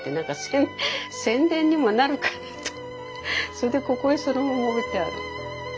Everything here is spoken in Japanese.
それでここへそのまま置いてある。